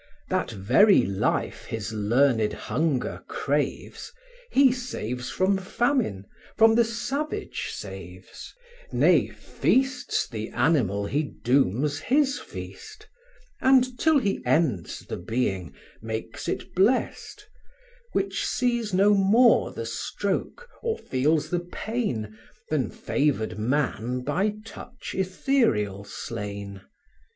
That very life his learned hunger craves, He saves from famine, from the savage saves; Nay, feasts the animal he dooms his feast, And, till he ends the being, makes it blest; Which sees no more the stroke, or feels the pain, Than favoured man by touch ethereal slain.